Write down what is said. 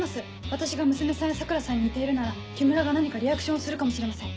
私が娘さんや桜さんに似ているなら木村が何かリアクションをするかもしれません。